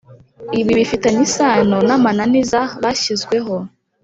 ibibifitanye isano n amananiza bashyizweho